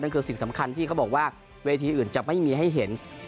คือสิ่งสำคัญที่เขาบอกว่าเวทีอื่นจะไม่มีให้เห็น